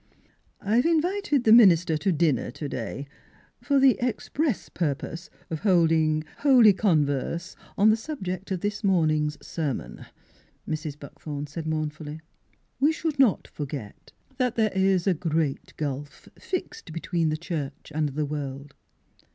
" I've invited the minister to dinner to day, for the express purpose of holding Miss Fhilura's Wedding Gown holy converse or the subject of this morn ing's sermon." Mrs. Buckthorn said mournfully. " We should not forget that there is a great gulf fixed between the church and the world.